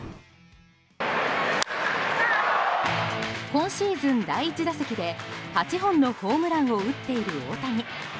今シーズン第１打席で８本のホームランを打っている大谷。